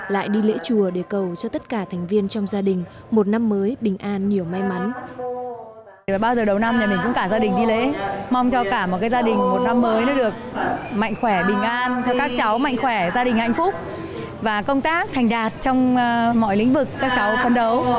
lại đi lễ chùa để cầu cho tất cả thành viên trong gia đình một năm mới bình an nhiều may mắn